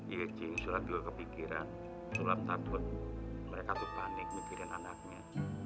iya jadi surat juga kepikiran surat takut mereka tuh panik mikirin anaknya